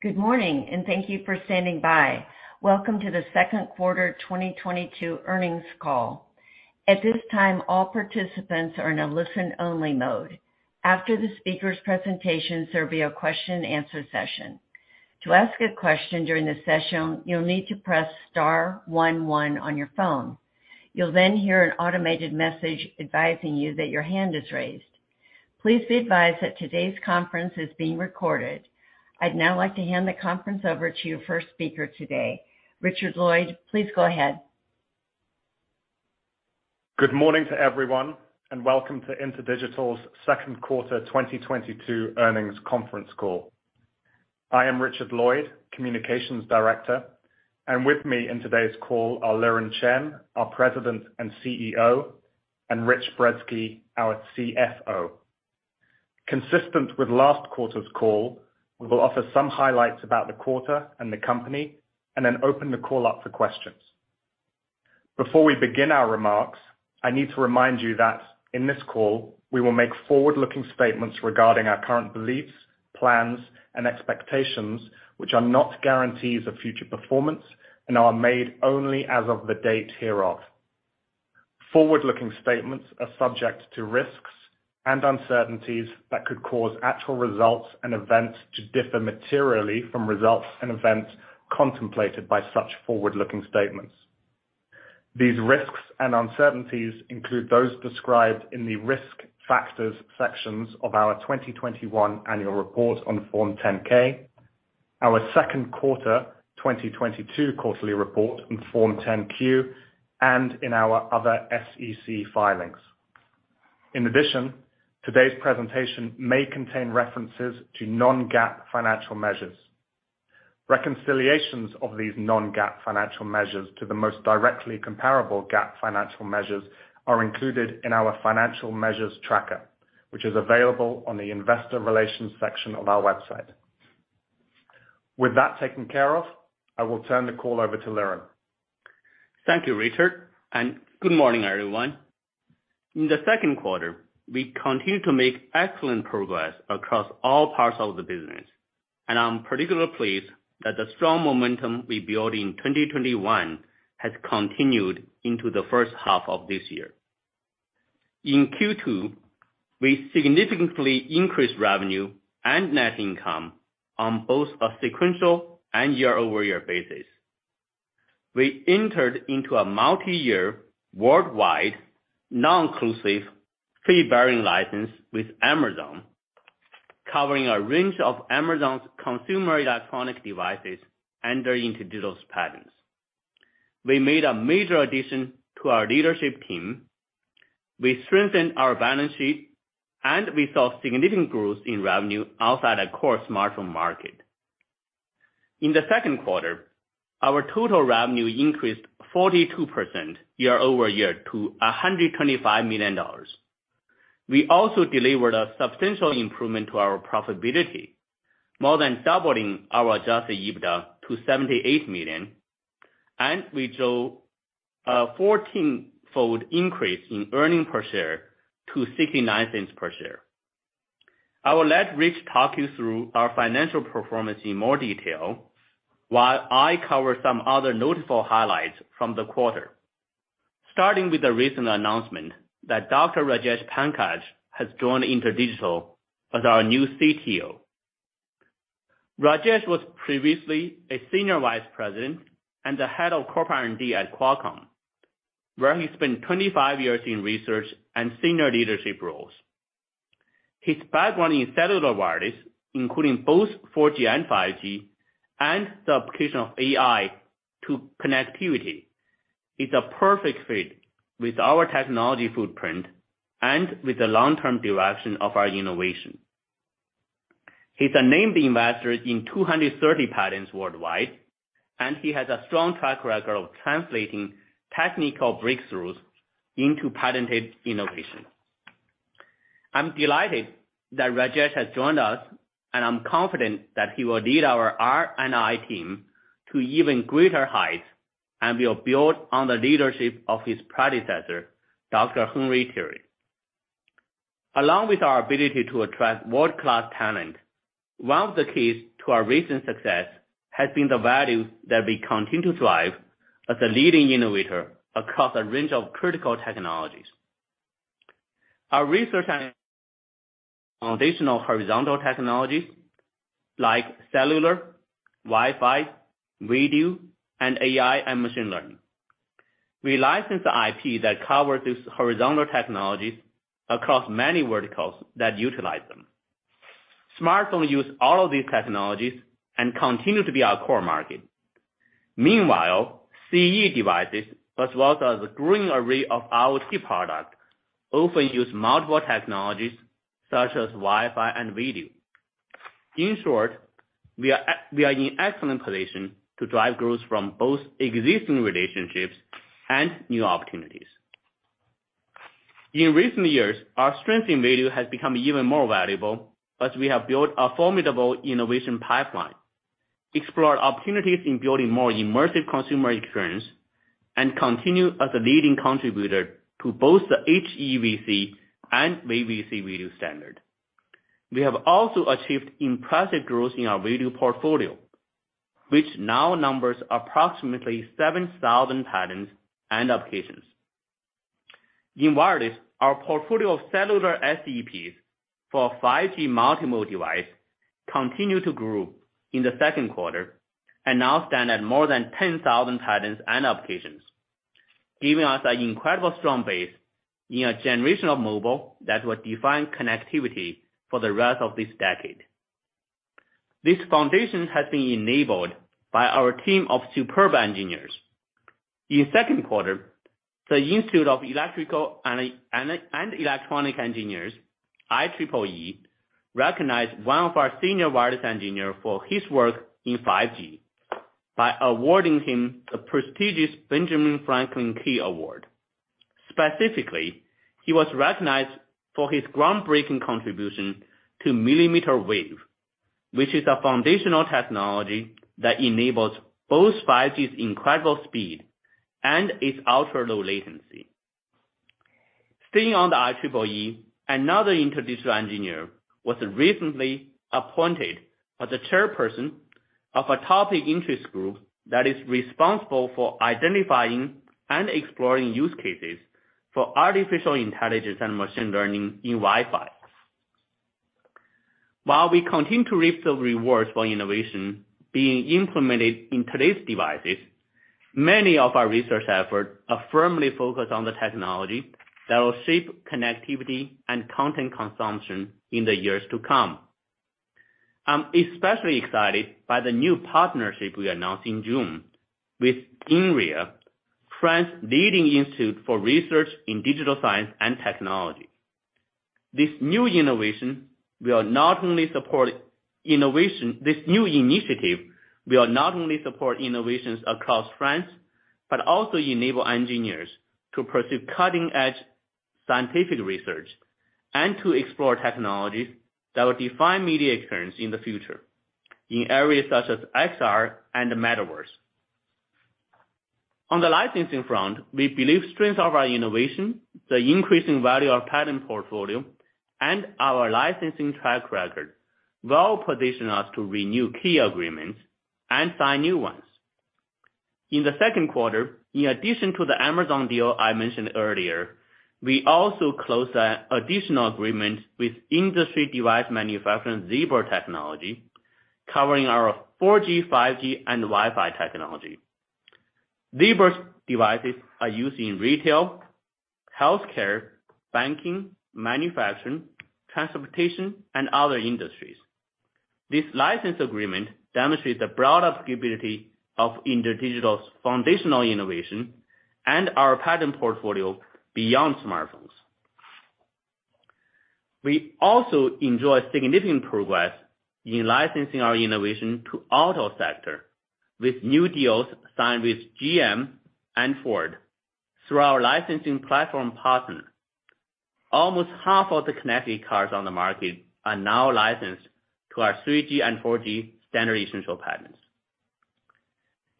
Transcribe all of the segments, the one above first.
Good morning, and thank you for standing by. Welcome to the Second Quarter 2022 Earnings Call. At this time, all participants are in a listen-only mode. After the speaker's presentation, there will be a question and answer session. To ask a question during the session, you'll need to press star one one on your phone. You'll then hear an automated message advising you that your hand is raised. Please be advised that today's conference is being recorded. I'd now like to hand the conference over to your first speaker today. Richard Lloyd, please go ahead. Good morning to everyone, and Welcome to InterDigital's Second Quarter 2022 Earnings Conference Call. I am Richard Lloyd, Communications Director, and with me in today's call are Liren Chen, our President and CEO, and Richard Brezski, our CFO. Consistent with last quarter's call, we will offer some highlights about the quarter and the company and then open the call up for questions. Before we begin our remarks, I need to remind you that in this call, we will make forward-looking statements regarding our current beliefs, plans, and expectations, which are not guarantees of future performance and are made only as of the date hereof. Forward-looking statements are subject to risks and uncertainties that could cause actual results and events to differ materially from results and events contemplated by such forward-looking statements. These risks and uncertainties include those described in the Risk Factors sections of our 2021 annual report on Form 10-K, our second quarter 2022 quarterly report in Form 10-Q, and in our other SEC filings. In addition, today's presentation may contain references to non-GAAP financial measures. Reconciliations of these non-GAAP financial measures to the most directly comparable GAAP financial measures are included in our financial measures tracker, which is available on the investor relations section of our website. With that taken care of, I will turn the call over to Liren. Thank you, Richard, and good morning, everyone. In the second quarter, we continued to make excellent progress across all parts of the business, and I'm particularly pleased that the strong momentum we built in 2021 has continued into the first half of this year. In Q2, we significantly increased revenue and net income on both a sequential and year-over-year basis. We entered into a multi-year worldwide non-exclusive fee-bearing license with Amazon, covering a range of Amazon's consumer electronic devices under InterDigital's patents. We made a major addition to our leadership team. We strengthened our balance sheet, and we saw significant growth in revenue outside our core smartphone market. In the second quarter, our total revenue increased 42% year-over-year to $125 million. We also delivered a substantial improvement to our profitability, more than doubling our adjusted EBITDA to $78 million, and we show a 14-fold increase in earnings per share to $0.69 per share. I will let Rich talk you through our financial performance in more detail while I cover some other notable highlights from the quarter. Starting with the recent announcement that Dr. Rajesh Pankaj has joined InterDigital as our new CTO. Rajesh was previously a Senior Vice President and the Head of Corp R&D at Qualcomm, where he spent 25 years in research and senior leadership roles. His background in cellular wireless, including both 4G and 5G and the application of AI to connectivity, is a perfect fit with our technology footprint and with the long-term direction of our innovation. He's a named inventor in 230 patents worldwide, and he has a strong track record of translating technical breakthroughs into patented innovation. I'm delighted that Rajesh has joined us, and I'm confident that he will lead our R&I team to even greater heights and will build on the leadership of his predecessor, Dr. Henry Tirri. Along with our ability to attract world-class talent, one of the keys to our recent success has been the value that we continue to drive as a leading innovator across a range of critical technologies. Our research on additional horizontal technologies like cellular, Wi-Fi, radio, and AI and machine learning. We license the IP that covers these horizontal technologies across many verticals that utilize them. Smartphones use all of these technologies and continue to be our core market. Meanwhile, CE devices, as well as a growing array of IoT products, often use multiple technologies such as Wi-Fi and radio. In short, we are in excellent position to drive growth from both existing relationships and new opportunities. In recent years, our strength in value has become even more valuable as we have built a formidable innovation pipeline. Explore opportunities in building more immersive consumer experience and continue as a leading contributor to both the HEVC and VVC video standard. We have also achieved impressive growth in our video portfolio, which now numbers approximately 7,000 patents and applications. In wireless, our portfolio of cellular SEPs for 5G multi-mode device continue to grow in the second quarter and now stand at more than 10,000 patents and applications, giving us an incredible strong base in a generation of mobile that will define connectivity for the rest of this decade. This foundation has been enabled by our team of superb engineers. In second quarter, the Institute of Electrical and Electronic Engineers, IEEE, recognized one of our senior wireless engineer for his work in 5G by awarding him the prestigious Benjamin Franklin Key Award. Specifically, he was recognized for his groundbreaking contribution to millimeter wave, which is a foundational technology that enables both 5G's incredible speed and its ultra-low latency. Staying on the IEEE, another InterDigital engineer was recently appointed as the chairperson of a topic interest group that is responsible for identifying and exploring use cases for artificial intelligence and machine learning in Wi-Fi. While we continue to reap the rewards for innovation being implemented in today's devices, many of our research efforts are firmly focused on the technology that will shape connectivity and content consumption in the years to come. I'm especially excited by the new partnership we announced in June with Inria, France's leading institute for research in digital science and technology. This new initiative will not only support innovations across France, but also enable engineers to pursue cutting-edge scientific research and to explore technologies that will define media experience in the future, in areas such as XR and Metaverse. On the licensing front, we believe strength of our innovation, the increasing value of patent portfolio, and our licensing track record will position us to renew key agreements and sign new ones. In the second quarter, in addition to the Amazon deal I mentioned earlier, we also closed an additional agreement with industry device manufacturer Zebra Technologies, covering our 4G, 5G, and Wi-Fi technology. Zebra's devices are used in retail, healthcare, banking, manufacturing, transportation, and other industries. This license agreement demonstrates the broad applicability of InterDigital's foundational innovation and our patent portfolio beyond smartphones. We also enjoy significant progress in licensing our innovation to auto sector, with new deals signed with GM and Ford through our licensing platform partner. Almost half of the connected cars on the market are now licensed to our 3G and 4G standard essential patents.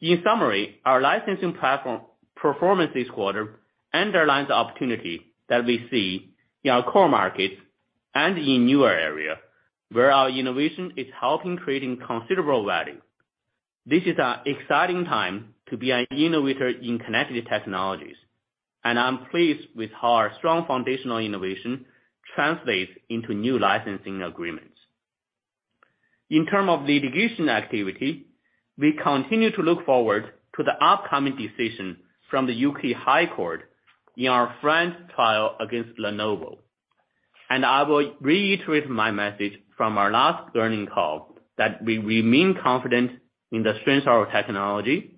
In summary, our licensing platform performance this quarter underlines the opportunity that we see in our core markets and in newer areas, where our innovation is helping create considerable value. This is an exciting time to be an innovator in connected technologies, and I'm pleased with how our strong foundational innovation translates into new licensing agreements. In terms of litigation activity, we continue to look forward to the upcoming decision from the UK High Court in our FRAND trial against Lenovo. I will reiterate my message from our last earnings call that we remain confident in the strength of our technology,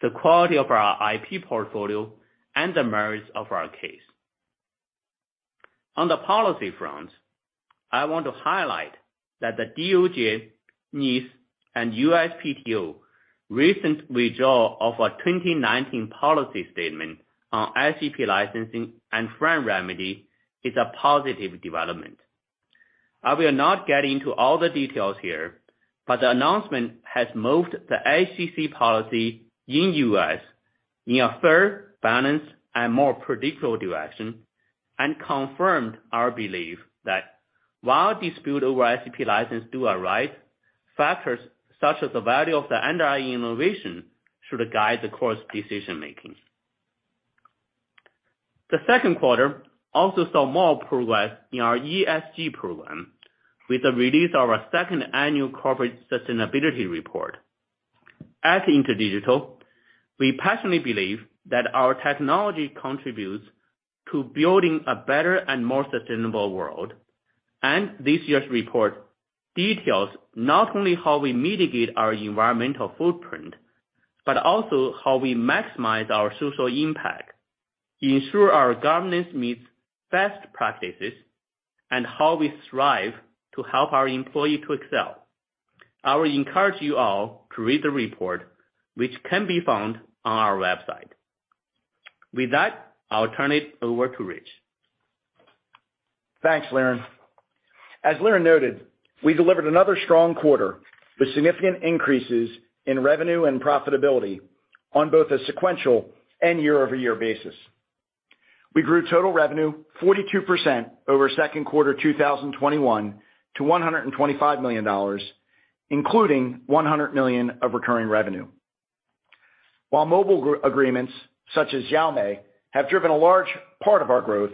the quality of our IP portfolio, and the merits of our case. On the policy front, I want to highlight that the DOJ, NIST, and USPTO recent withdrawal of a 2019 policy statement on SEP licensing and FRAND remedy is a positive development. I will not get into all the details here, but the announcement has moved the SEP policy in U.S. in a fair, balanced, and more predictable direction, and confirmed our belief that while dispute over SEP license do arise, factors such as the value of the SEP innovation should guide the course of decision-making. The second quarter also saw more progress in our ESG program with the release of our second annual corporate sustainability report. At InterDigital, we passionately believe that our technology contributes to building a better and more sustainable world. This year's report details not only how we mitigate our environmental footprint, but also how we maximize our social impact, ensure our governance meets best practices, and how we strive to help our employee to excel. I would encourage you all to read the report, which can be found on our website. With that, I'll turn it over to Rich. Thanks, Liren. As Liren noted, we delivered another strong quarter with significant increases in revenue and profitability on both a sequential and year-over-year basis. We grew total revenue 42% over second quarter 2021 to $125 million, including $100 million of recurring revenue. While mobile agreements such as Xiaomi have driven a large part of our growth,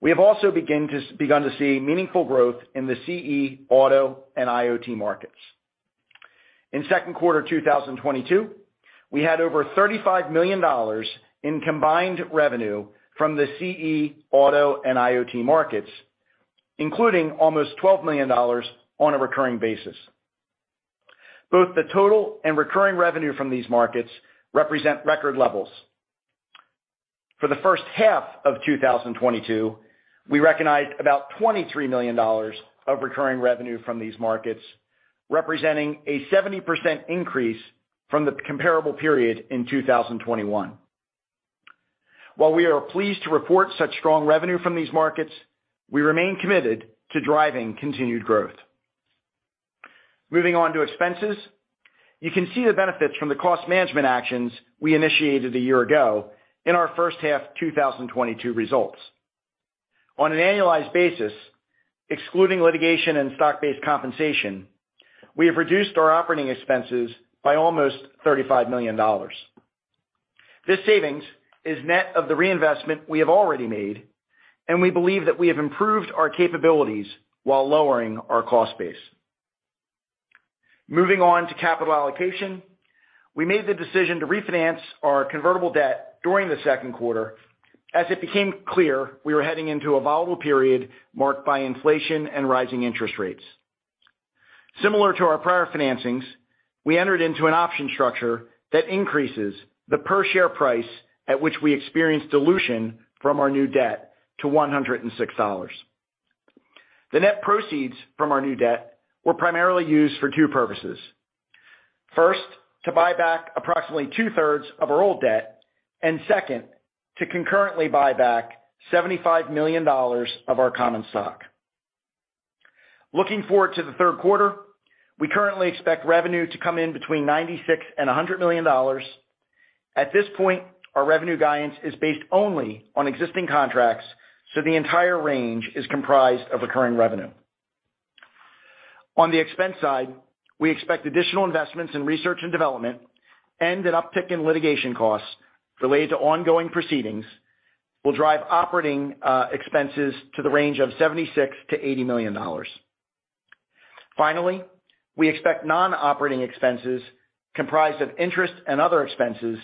we have also begun to see meaningful growth in the CE, auto, and IoT markets. In second quarter 2022, we had over $35 million in combined revenue from the CE, auto, and IoT markets, including almost $12 million on a recurring basis. Both the total and recurring revenue from these markets represent record levels. For the first half of 2022, we recognized about $23 million of recurring revenue from these markets, representing a 70% increase from the comparable period in 2021. While we are pleased to report such strong revenue from these markets, we remain committed to driving continued growth. Moving on to expenses. You can see the benefits from the cost management actions we initiated a year ago in our first half 2022 results. On an annualized basis, excluding litigation and stock-based compensation, we have reduced our operating expenses by almost $35 million. This savings is net of the reinvestment we have already made, and we believe that we have improved our capabilities while lowering our cost base. Moving on to capital allocation. We made the decision to refinance our convertible debt during the second quarter as it became clear we were heading into a volatile period marked by inflation and rising interest rates. Similar to our prior financings, we entered into an option structure that increases the per share price at which we experience dilution from our new debt to $106. The net proceeds from our new debt were primarily used for two purposes. First, to buy back approximately two-thirds of our old debt, and second, to concurrently buy back $75 million of our common stock. Looking forward to the third quarter, we currently expect revenue to come in between $96 million and $100 million. At this point, our revenue guidance is based only on existing contracts, so the entire range is comprised of recurring revenue. On the expense side, we expect additional investments in research and development and an uptick in litigation costs related to ongoing proceedings will drive operating expenses to the range of $76 million-$80 million. Finally, we expect non-operating expenses comprised of interest and other expenses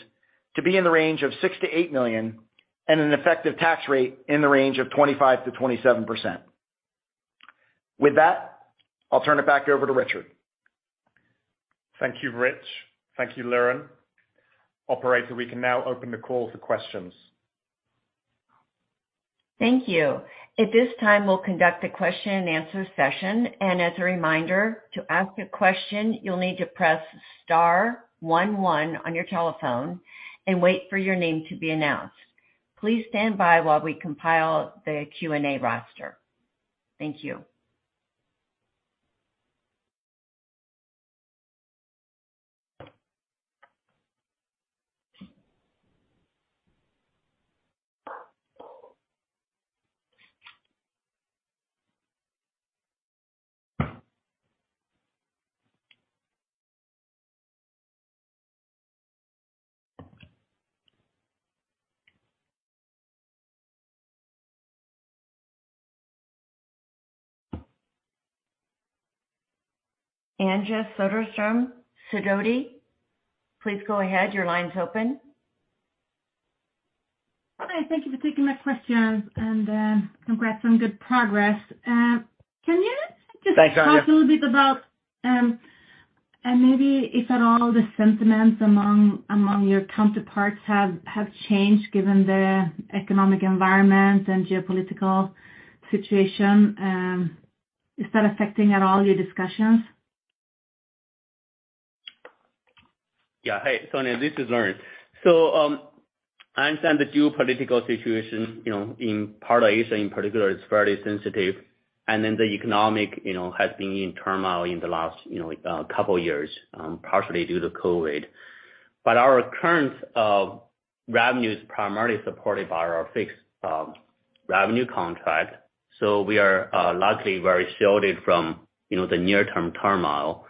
to be in the range of $6 million-$8 million and an effective tax rate in the range of 25%-27%. With that, I'll turn it back over to Richard. Thank you, Rich. Thank you, Liren. Operator, we can now open the call for questions. Thank you. At this time, we'll conduct a question and answer session. As a reminder, to ask a question, you'll need to press star one one on your telephone and wait for your name to be announced. Please stand by while we compile the Q&A roster. Thank you. Anja Soderstrom, Sidoti, please go ahead. Your line's open. Okay. Thank you for taking my question and, congrats on good progress. Can you just- Thanks, Anja. Talk a little bit about, and maybe if at all the sentiments among your counterparts have changed given the economic environment and geopolitical situation? Is that affecting at all your discussions? Yeah. Hey, Anja, this is Liren. I understand the geopolitical situation, you know, in part of Asia in particular. It's very sensitive. The economy, you know, has been in turmoil in the last, you know, couple years, partially due to COVID. Our current revenue is primarily supported by our fixed revenue contract, so we are luckily very shielded from, you know, the near-term turmoil.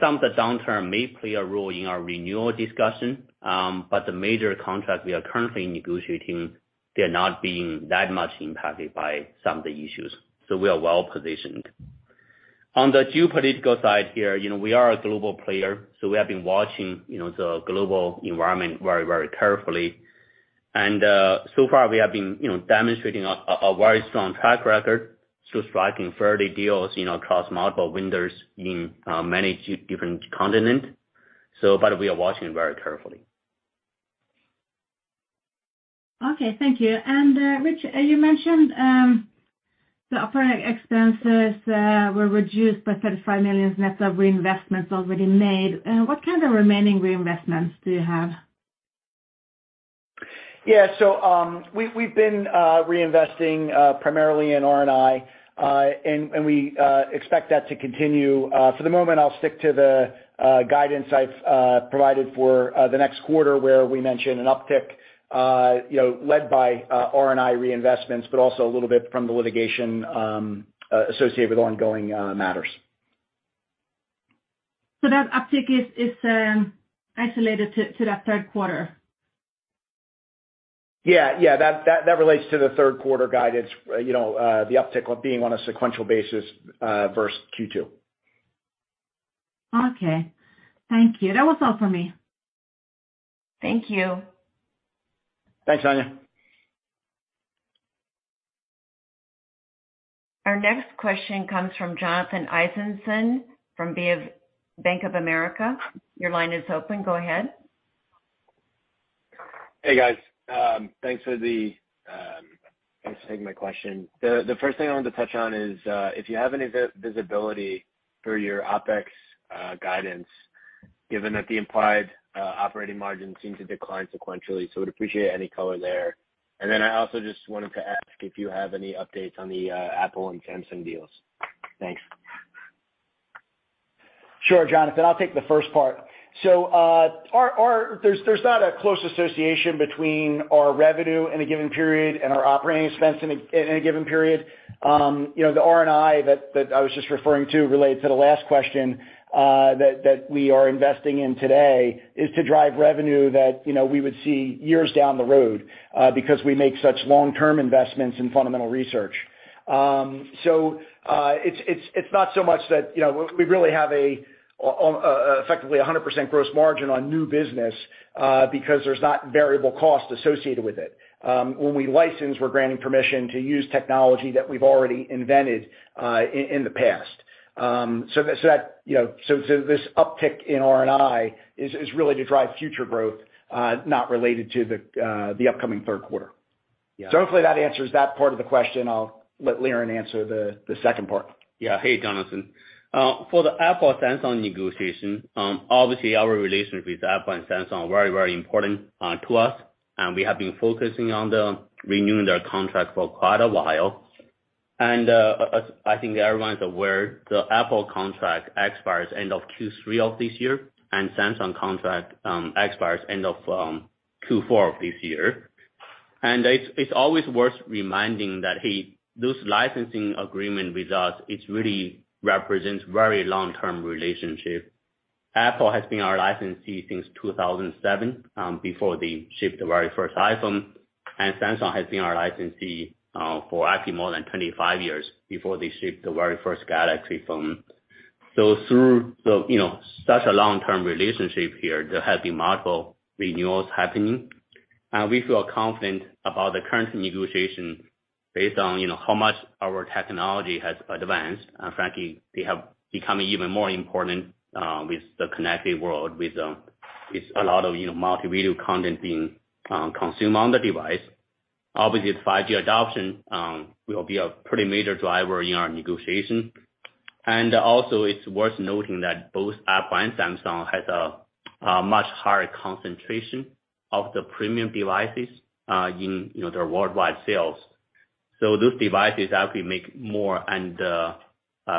Some of the downturn may play a role in our renewal discussion, but the major contract we are currently negotiating, they're not being that much impacted by some of the issues. We are well-positioned. On the geopolitical side here, you know, we are a global player, so we have been watching, you know, the global environment very, very carefully. So far, we have been, you know, demonstrating a very strong track record through striking further deals, you know, across multiple windows in many geographically different continents. But we are watching very carefully. Okay. Thank you. Rich, you mentioned the operating expenses were reduced by $35 million net of reinvestments already made. What kind of remaining reinvestments do you have? Yeah. We've been reinvesting primarily in R&I, and we expect that to continue. For the moment, I'll stick to the guidance I've provided for the next quarter, where we mention an uptick, you know, led by R&I reinvestments, but also a little bit from the litigation associated with ongoing matters. That uptick is isolated to that third quarter? Yeah. That relates to the third quarter guidance, you know, the uptick we're seeing on a sequential basis, versus Q2. Okay. Thank you. That was all for me. Thank you. Thanks, Anja. Our next question comes from Jonathan Eisenson from Bank of America. Your line is open. Go ahead. Hey, guys. Thanks for taking my question. The first thing I wanted to touch on is if you have any visibility for your OpEx guidance, given that the implied operating margin seemed to decline sequentially. I would appreciate any color there. Then I also just wanted to ask if you have any updates on the Apple and Samsung deals. Thanks. Sure, Jonathan. I'll take the first part. There's not a close association between our revenue in a given period and our operating expense in a given period. You know, the R&I that I was just referring to, related to the last question, that we are investing in today is to drive revenue that you know we would see years down the road because we make such long-term investments in fundamental research. It's not so much that you know we really have effectively a 100% gross margin on new business because there's no variable cost associated with it. When we license, we're granting permission to use technology that we've already invented in the past. This uptick in R&I is really to drive future growth, not related to the upcoming third quarter. Yeah. Hopefully that answers that part of the question. I'll let Liren answer the second part. Yeah. Hey, Jonathan. For the Apple-Samsung negotiation, obviously our relationship with Apple and Samsung are very, very important to us. We have been focusing on the renewing their contract for quite a while. As I think everyone's aware, the Apple contract expires end of Q3 of this year, and Samsung contract expires end of Q4 of this year. It's always worth reminding that, hey, those licensing agreement with us, it really represents very long-term relationship. Apple has been our licensee since 2007, before they shipped the very first iPhone. Samsung has been our licensee for actually more than 25 years before they shipped the very first Galaxy phone. Through the, you know, such a long-term relationship here, there have been multiple renewals happening. We feel confident about the current negotiation based on, you know, how much our technology has advanced. Frankly, they have become even more important with the connected world, with a lot of, you know, multimedia content being consumed on the device. Obviously, 5G adoption will be a pretty major driver in our negotiation. Also it's worth noting that both Apple and Samsung has a much higher concentration of the premium devices in, you know, their worldwide sales. Those devices actually make more and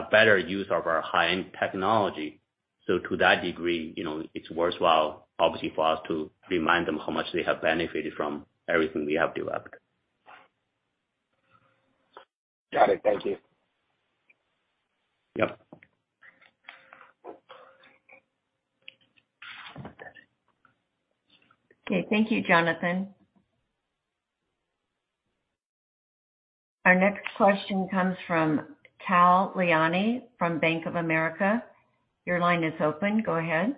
better use of our high-end technology. To that degree, you know, it's worthwhile obviously for us to remind them how much they have benefited from everything we have developed. Got it. Thank you. Yep. Okay. Thank you, Jonathan. Our next question comes from Tal Liani from Bank of America. Your line is open. Go ahead.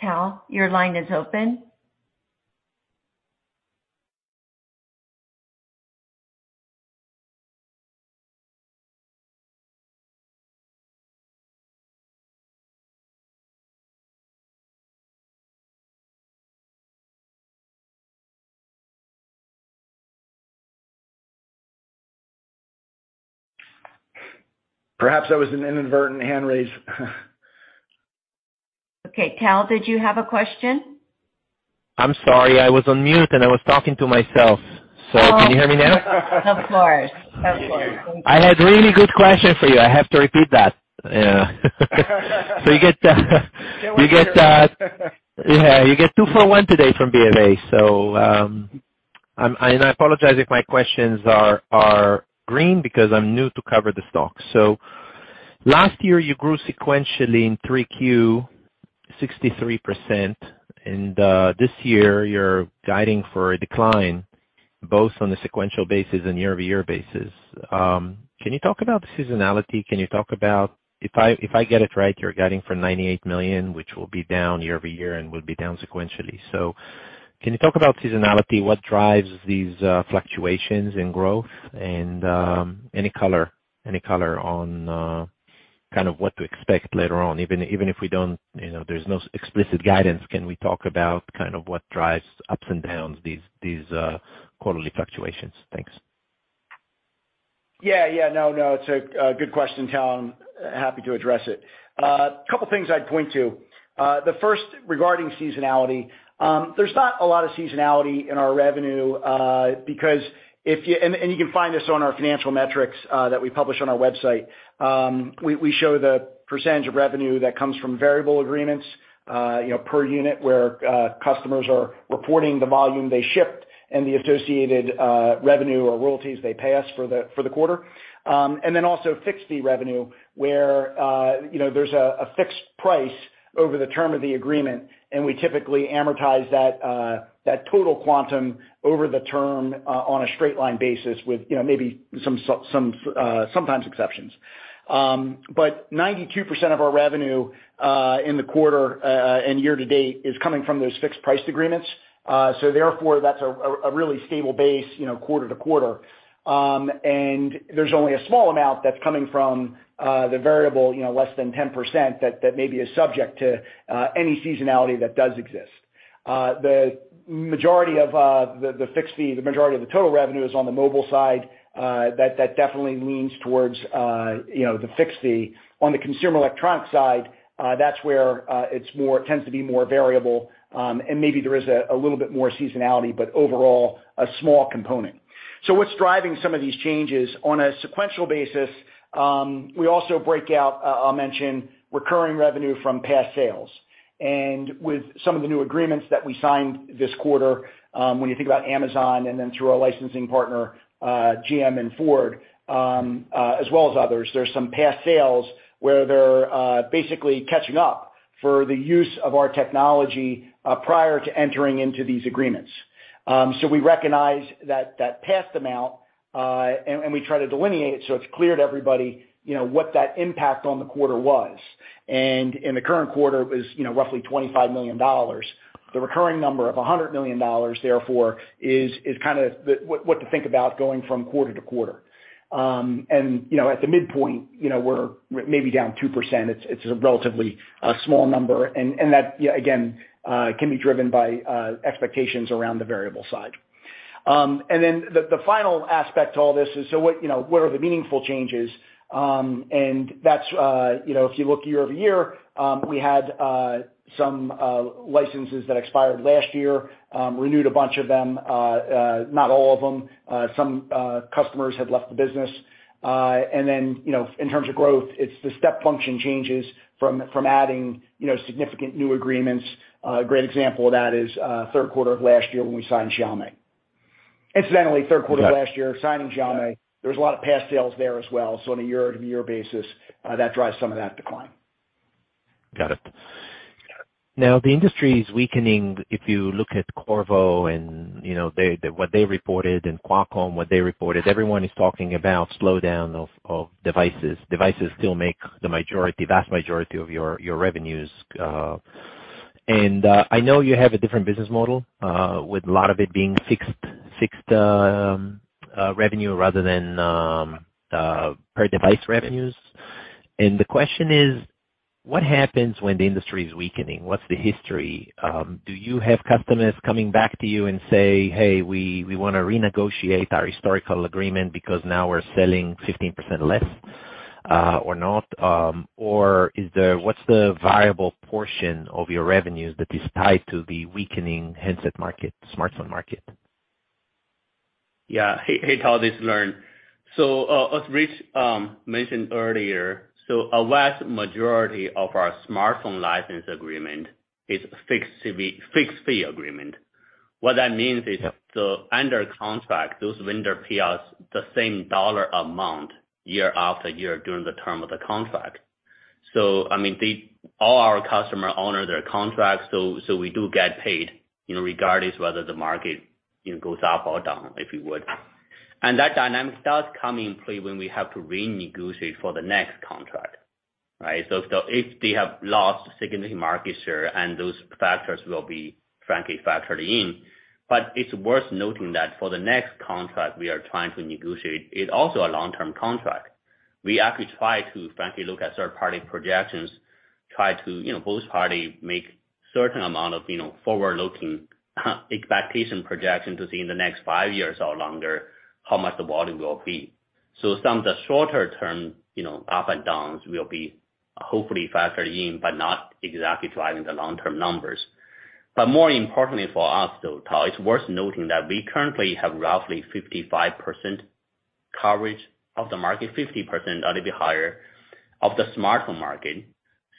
Tal, your line is open. Perhaps that was an inadvertent hand raise. Okay, Tal, did you have a question? I'm sorry. I was on mute, and I was talking to myself. Oh. Can you hear me now? Of course. Thank you. I had really good question for you. I have to repeat that. Yeah. You get Get one for free. Yeah, you get two for one today from Bank of America. I apologize if my questions are green because I'm new to cover the stock. Last year, you grew sequentially in 3Q 63%. This year you're guiding for a decline both on the sequential basis and year-over-year basis. Can you talk about the seasonality? If I get it right, you're guiding for $98 million, which will be down year-over-year and will be down sequentially. Can you talk about seasonality, what drives these fluctuations in growth, and any color? Any color on kind of what to expect later on, even if we don't, you know, there's no explicit guidance, can we talk about kind of what drives ups and downs, these quarterly fluctuations? Thanks. Yeah. No, it's a good question, Tal, and happy to address it. A couple things I'd point to. The first regarding seasonality. There's not a lot of seasonality in our revenue because. You can find this on our financial metrics that we publish on our website. We show the percentage of revenue that comes from variable agreements, you know, per unit where customers are reporting the volume they shipped and the associated revenue or royalties they pay us for the quarter. And then also fixed fee revenue, where you know, there's a fixed price over the term of the agreement, and we typically amortize that total quantum over the term on a straight line basis with, you know, maybe some sometimes exceptions. 92% of our revenue in the quarter and year to date is coming from those fixed price agreements. Therefore, that's a really stable base, you know, quarter to quarter. There's only a small amount that's coming from the variable, you know, less than 10% that maybe is subject to any seasonality that does exist. The majority of the fixed fee, the majority of the total revenue is on the mobile side, that definitely leans towards, you know, the fixed fee. On the consumer electronics side, that's where it tends to be more variable, and maybe there is a little bit more seasonality, but overall a small component. What's driving some of these changes? On a sequential basis, we also break out, I'll mention recurring revenue from past sales. With some of the new agreements that we signed this quarter, when you think about Amazon and then through our licensing partner, GM and Ford, as well as others, there's some past sales where they're basically catching up for the use of our technology prior to entering into these agreements. We recognize that past amount, and we try to delineate it so it's clear to everybody, you know, what that impact on the quarter was. In the current quarter is, you know, roughly $25 million. The recurring number of $100 million, therefore, is kinda the what to think about going from quarter to quarter. You know, at the midpoint, you know, we're maybe down 2%. It's a relatively small number. That, you know, again, can be driven by expectations around the variable side. The final aspect to all this is, so what, you know, what are the meaningful changes? That's you know, if you look year-over-year, we had some licenses that expired last year, renewed a bunch of them, not all of them. Some customers had left the business. In terms of growth, it's the step function changes from adding, you know, significant new agreements. A great example of that is third quarter of last year when we signed Xiaomi. Incidentally, third quarter of last year, signing Xiaomi, there was a lot of past sales there as well. On a year-to-year basis, that drives some of that decline. Got it. Now, the industry is weakening. If you look at Qorvo and, you know, they what they reported, and Qualcomm what they reported, everyone is talking about slowdown of devices. Devices still make the majority, vast majority of your revenues. I know you have a different business model, with a lot of it being fixed revenue rather than per device revenues. The question is: What happens when the industry is weakening? What's the history? Do you have customers coming back to you and say, "Hey, we wanna renegotiate our historical agreement because now we're selling 15% less, or not?" Or, what's the variable portion of your revenues that is tied to the weakening handset market, smartphone market? Yeah. Hey, Tal. This is Liren. As Rich mentioned earlier, a vast majority of our smartphone license agreement is fixed fee agreement. What that means is under contract, those vendors pay us the same dollar amount year after year during the term of the contract. I mean, they all our customers honor their contracts, so we do get paid, you know, regardless whether the market, you know, goes up or down, if you would. That dynamic does come in play when we have to renegotiate for the next contract, right? If they have lost significant market share and those factors will be frankly factored in. It's worth noting that for the next contract we are trying to negotiate, it's also a long-term contract. We actually try to frankly look at third-party projections, try to, you know, both party make certain amount of, you know, forward-looking expectation projection to see in the next 5 years or longer how much the volume will be. Some of the shorter term, you know, up and downs will be hopefully factored in, but not exactly driving the long-term numbers. More importantly for us though, Tal, it's worth noting that we currently have roughly 55% coverage of the market, 50% a little bit higher of the smartphone market.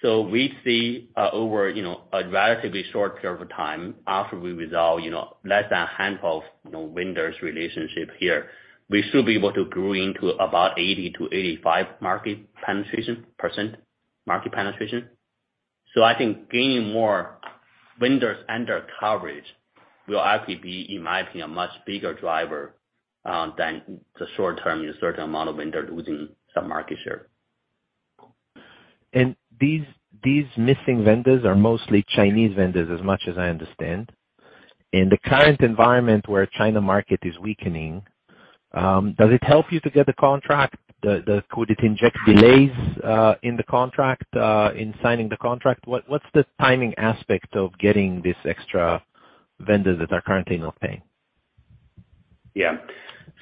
We see, over, you know, a relatively short period of time after we resolve, you know, less than a handful of, you know, vendors' relationship here, we should be able to grow into about 80%-85% market penetration. I think gaining more vendors under coverage will actually be, in my opinion, a much bigger driver than the short term, you know, certain amount of vendors losing some market share. These missing vendors are mostly Chinese vendors as much as I understand. In the current environment where Chinese market is weakening, does it help you to get a contract? Could it inject delays in the contract, in signing the contract? What's the timing aspect of getting these extra vendors that are currently not paying? Yeah.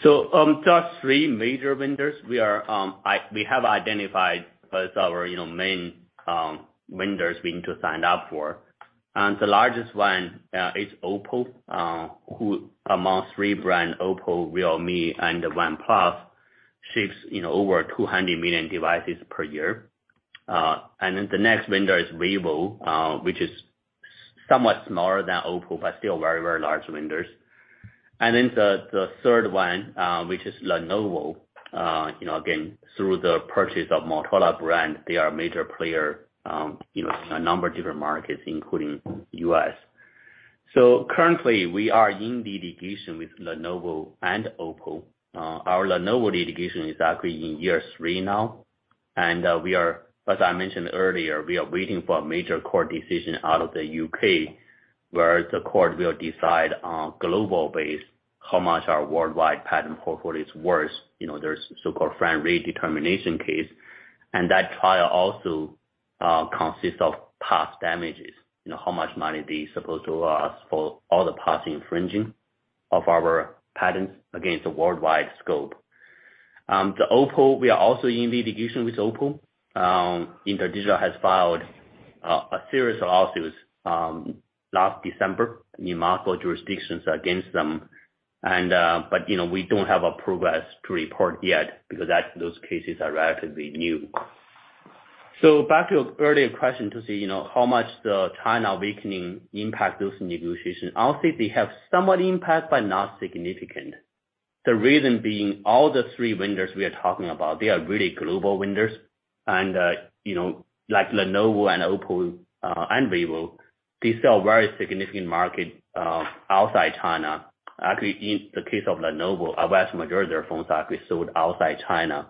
Top three major vendors we have identified as our you know main vendors we need to sign up for. The largest one is Oppo, who amongst three brand Oppo, Realme and OnePlus, ships you know over 200 million devices per year. The next vendor is Vivo, which is somewhat smaller than Oppo, but still very, very large vendors. The third one, which is Lenovo, again, through the purchase of Motorola brand, they are a major player you know in a number of different markets, including U.S. Currently, we are in litigation with Lenovo and Oppo. Our Lenovo litigation is actually in year three now, and we are, as I mentioned earlier, waiting for a major court decision out of the UK, where the court will decide on global base how much our worldwide patent portfolio is worth. You know, their so-called FRAND rate determination case. That trial also consists of past damages. You know, how much money they supposed to owe us for all the past infringing of our patents against a worldwide scope. The Oppo, we are also in litigation with Oppo. InterDigital has filed a series of lawsuits last December in multiple jurisdictions against them. But you know, we don't have a progress to report yet because those cases are relatively new. Back to your earlier question to see, you know, how much the China weakening impact those negotiations. I would say they have somewhat impact, but not significant. The reason being, all the three vendors we are talking about, they are really global vendors. You know, like Lenovo and Oppo, and Vivo, they sell very significant market outside China. Actually, in the case of Lenovo, a vast majority of their phones are actually sold outside China.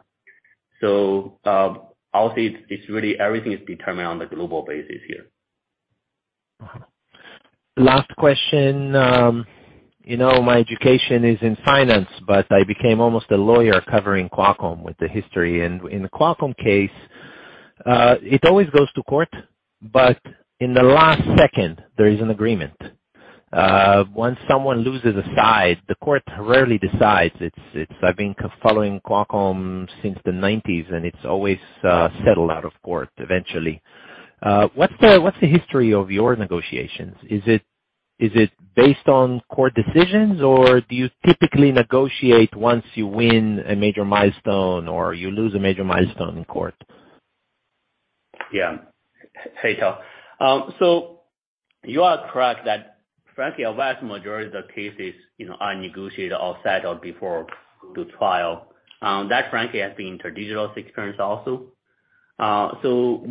I'll say it's really everything is determined on the global basis here. Last question. You know, my education is in finance, but I became almost a lawyer covering Qualcomm with the history. In the Qualcomm case, it always goes to court, but in the last second, there is an agreement. Once someone loses a case, the court rarely decides. It's, I've been following Qualcomm since the nineties, and it's always settled out of court eventually. What's the history of your negotiations? Is it based on court decisions, or do you typically negotiate once you win a major milestone or you lose a major milestone in court? Yeah. Hey, Tal. You are correct that frankly, a vast majority of the cases, you know, are negotiated or settled before go to trial. That frankly has been InterDigital's experience also.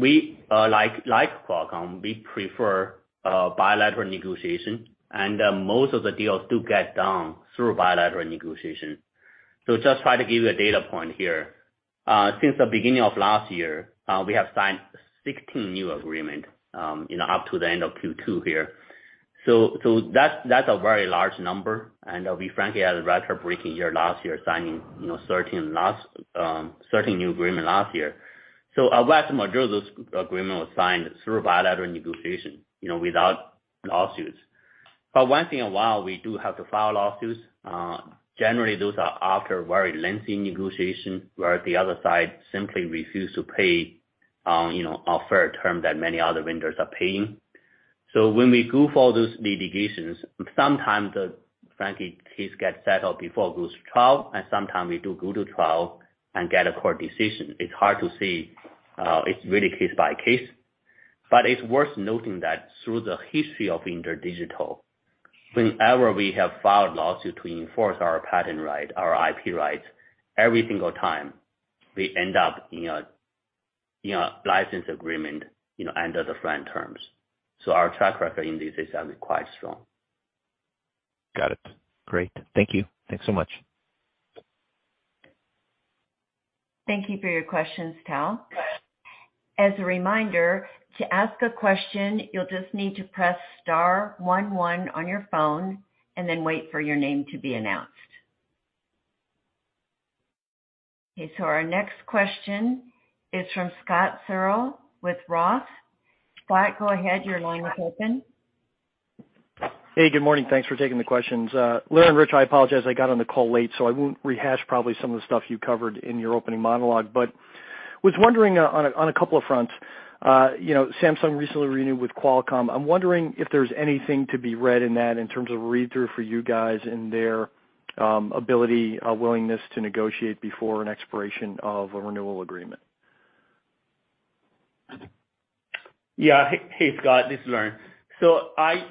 We like Qualcomm, we prefer bilateral negotiation and most of the deals do get done through bilateral negotiation. Just try to give you a data point here. Since the beginning of last year, we have signed 16 new agreement, you know, up to the end of Q2 here. That's a very large number. We frankly had a record-breaking year last year signing, you know, 13 new agreement last year. A vast majority of those agreement was signed through bilateral negotiation, you know, without lawsuits. But once in a while, we do have to file lawsuits. Generally, those are after very lengthy negotiation, where the other side simply refuse to pay, you know, a fair term that many other vendors are paying. When we go for those litigations, sometimes the, frankly, case get settled before it goes to trial, and sometimes we do go to trial and get a court decision. It's hard to say. It's really case by case. It's worth noting that through the history of InterDigital, whenever we have filed lawsuit to enforce our patent right, our IP rights, every single time, we end up in a, in a license agreement, you know, under the FRAND terms. Our track record in this is actually quite strong. Got it. Great. Thank you. Thanks so much. Thank you for your questions, Tal. As a reminder, to ask a question, you'll just need to press star one one on your phone and then wait for your name to be announced. Okay, so our next question is from Scott Searle with Roth. Scott, go ahead. Your line is open. Hey, good morning. Thanks for taking the questions. Liren, Rich, I apologize, I got on the call late, so I won't rehash probably some of the stuff you covered in your opening monologue. I was wondering on a couple of fronts. You know, Samsung recently renewed with Qualcomm. I'm wondering if there's anything to be read in that in terms of read-through for you guys in their ability, willingness to negotiate before an expiration of a renewal agreement. Yeah. Hey, Scott, this is Liren. I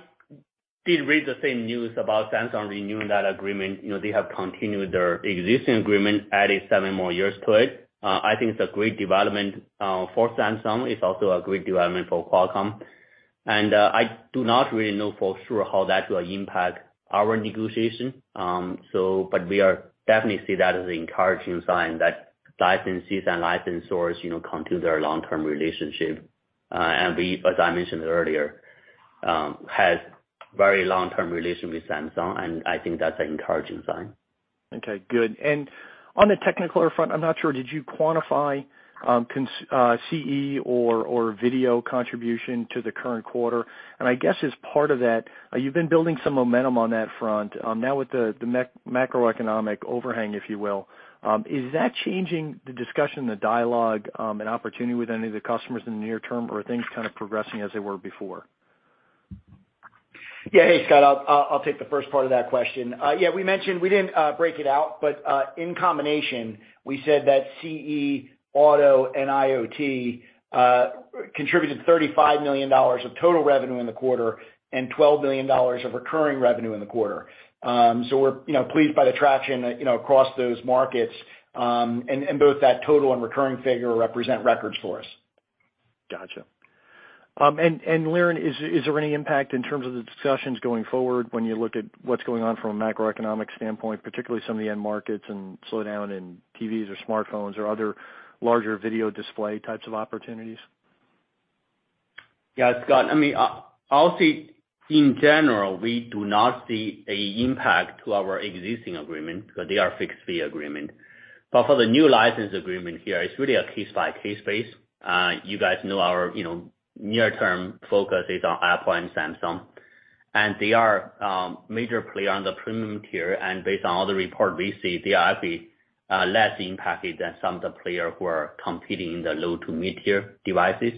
did read the same news about Samsung renewing that agreement. You know, they have continued their existing agreement, added seven more years to it. I think it's a great development for Samsung. It's also a great development for Qualcomm. I do not really know for sure how that will impact our negotiation. We are definitely see that as an encouraging sign that licensees and licensors, you know, continue their long-term relationship. We, as I mentioned earlier, has very long-term relationship with Samsung, and I think that's an encouraging sign. Okay, good. On the technical front, I'm not sure, did you quantify CE or video contribution to the current quarter? I guess as part of that, you've been building some momentum on that front. Now with the macroeconomic overhang, if you will, is that changing the discussion, the dialogue, and opportunity with any of the customers in the near term, or are things kind of progressing as they were before? Yeah. Hey, Scott, I'll take the first part of that question. Yeah, we mentioned we didn't break it out, but in combination, we said that CE, auto, and IoT contributed $35 million of total revenue in the quarter and $12 million of recurring revenue in the quarter. We're, you know, pleased by the traction, you know, across those markets, and both that total and recurring figure represent records for us. Gotcha. Liren, is there any impact in terms of the discussions going forward when you look at what's going on from a macroeconomic standpoint, particularly some of the end markets and slowdown in TVs or smartphones or other larger video display types of opportunities? Yeah, Scott, I mean, obviously, in general, we do not see an impact to our existing agreement because they are fixed fee agreement. For the new license agreement here, it's really a case-by-case basis. You guys know our, you know, near-term focus is on Apple and Samsung. They are major player on the premium tier, and based on all the report we see, they are less impacted than some of the players who are competing in the low to mid-tier devices.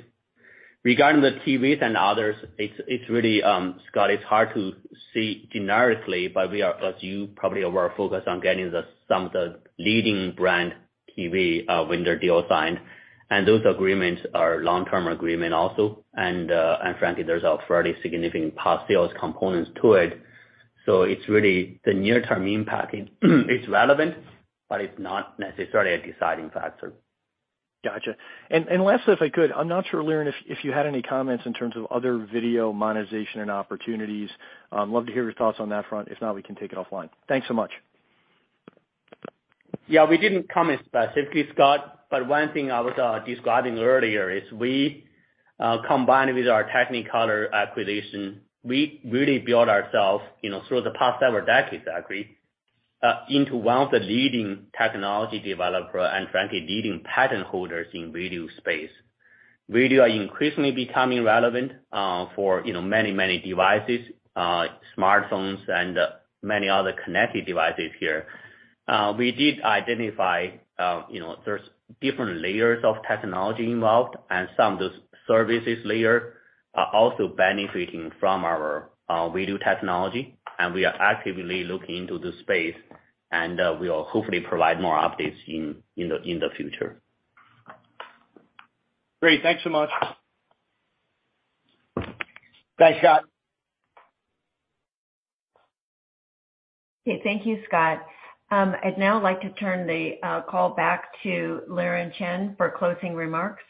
Regarding the TVs and others, it's really, Scott, it's hard to see generically, but we are, as you probably are aware, focused on getting the, some of the leading brand TV, when their deal signed, and those agreements are long-term agreement also. Frankly, there's a fairly significant post-sales components to it. It's really the near-term impact. It's relevant, but it's not necessarily a deciding factor. Gotcha. Last, if I could, I'm not sure, Liren, if you had any comments in terms of other video monetization and opportunities. I'd love to hear your thoughts on that front. If not, we can take it offline. Thanks so much. Yeah, we didn't comment specifically, Scott, but one thing I was describing earlier is we combined with our Technicolor acquisition. We really built ourselves, you know, through the past several decades, actually, into one of the leading technology developer and frankly leading patent holders in video space. Video are increasingly becoming relevant, you know, for many, many devices, smartphones and many other connected devices here. We did identify, you know, there's different layers of technology involved and some of those services layer are also benefiting from our video technology, and we are actively looking into the space and we'll hopefully provide more updates in the future. Great. Thanks so much. Thanks, Scott. Okay, thank you, Scott. I'd now like to turn the call back to Liren Chen for closing remarks.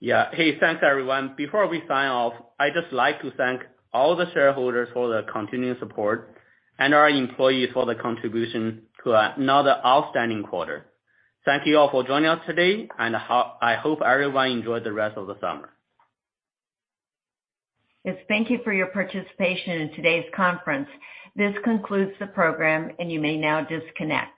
Yeah. Hey, thanks, everyone. Before we sign off, I'd just like to thank all the shareholders for their continuing support and our employees for their contribution to another outstanding quarter. Thank you all for joining us today. I hope everyone enjoy the rest of the summer. Yes, thank you for your participation in today's conference. This concludes the program, and you may now disconnect.